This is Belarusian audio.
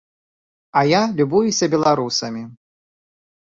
А я любуюся беларусамі.